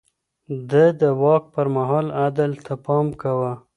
ده د واک پر مهال عدل ته پام کاوه.